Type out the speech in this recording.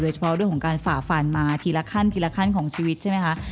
เฉพาะเรื่องของการฝ่าฟันมาทีละขั้นทีละขั้นของชีวิตใช่ไหมคะ